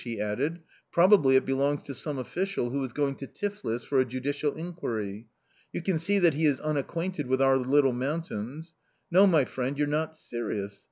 he added; "probably it belongs to some official who is going to Tiflis for a judicial inquiry. You can see that he is unacquainted with our little mountains! No, my friend, you're not serious!